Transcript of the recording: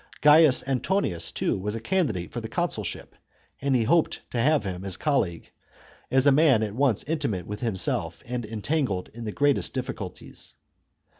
Gains Antonius, too, was a candidate for the consulship, and he hoped to have him as his colleague, as a man at once intimate with himself and entangled in the greatest difficulties.